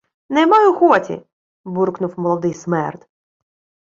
— Не маю хоті, — буркнув молодий смерд.